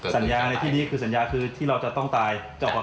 สัญญาในที่นี้คือสัญญาคือที่เราจะต้องตาย